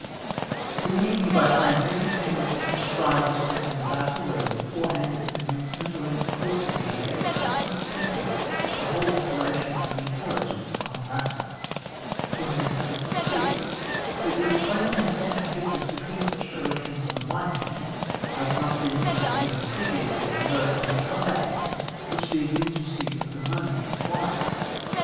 We mean here, by plan, every thing which is prescribed respecting the battle, whether beforehand, at the com mencement, or in the course of the en gagement ; consequently, the whole ope ration of the intelligence on matter. 220 c. But there is plainly an essen tial difference between such directions on the one hand, as must be and can be g^ven previously, and those, on the other hand, which the exigencies of the mo ment require.